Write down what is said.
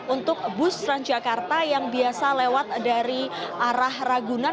untuk bus transjakarta yang biasa lewat dari arah ragunan